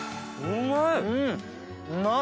うまい。